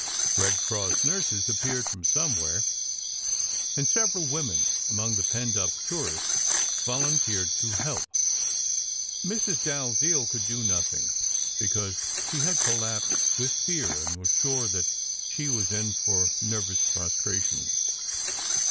Red Cross nurses appeared from somewhere, and several women among the penned up tourists volunteered to help. Mrs. Dalziel could do nothing, because she had collapsed with fear, and was sure that she was in for nervous prostration.